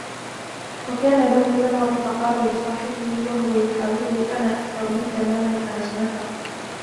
وكان له ثمر فقال لصاحبه وهو يحاوره أنا أكثر منك مالا وأعز نفرا